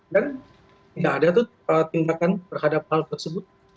dan tidak ada tindakan berhadapan hal tersebut